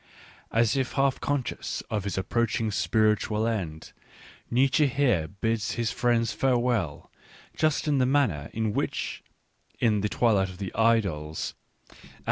As if half conscious of his approaching spiritual end, Nietzsche here bids his friends farewell, just in the manner in which, in the Twilight of the Idols (Aph.